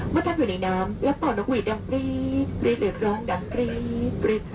วัดทางอยู่ในน้ำและเป่าน้องหญิกดังปรี๊ดร้องดังปรี๊ด